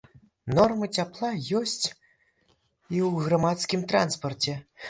Нормы цяпла ёсць і ў грамадскім транспарце.